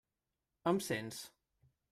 Em sents?